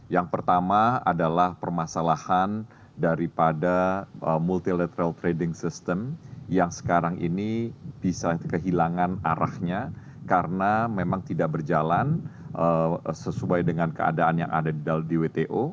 yang pertama adalah permasalahan daripada multilateral trading system yang sekarang ini bisa kehilangan arahnya karena memang tidak berjalan sesuai dengan keadaan yang ada di wto